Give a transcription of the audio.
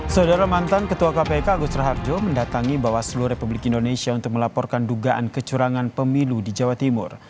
saudara mantan ketua kpk agus raharjo mendatangi bawaslu republik indonesia untuk melaporkan dugaan kecurangan pemilu di jawa timur